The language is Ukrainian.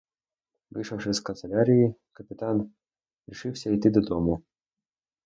Вийшовши з канцелярії, капітан рішився йти додому.